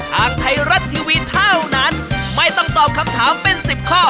ทางไทยรัฐทีวีเท่านั้นไม่ต้องตอบคำถามเป็น๑๐ข้อ